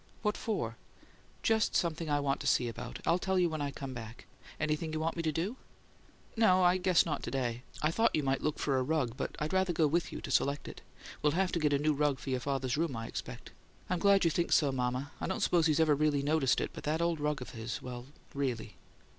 "What for?" "Just something I want to see about. I'll tell you when I come back. Anything you want me to do?" "No; I guess not to day. I thought you might look for a rug, but I'd rather go with you to select it. We'll have to get a new rug for your father's room, I expect." "I'm glad you think so, mama. I don't suppose he's ever even noticed it, but that old rug of his well, really!"